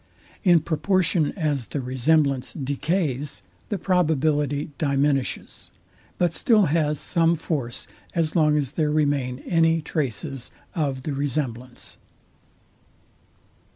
In proportion as the resemblance decays, the probability diminishes; but still has some force as long as there remain any traces of the resemblance.